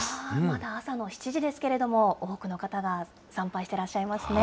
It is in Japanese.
まだ朝の７時ですけれども、多くの方が参拝してらっしゃいますね。